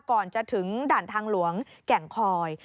ก่อนจะถึงด่านทางหลวงแก่งคอย